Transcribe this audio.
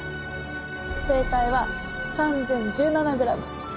正解は３０１７グラム。